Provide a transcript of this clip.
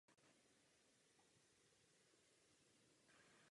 Během svého pobytu byl Mojžíš povolán za proroka.